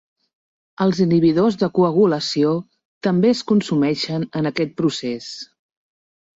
Els inhibidors de coagulació també es consumeixen en aquest procès.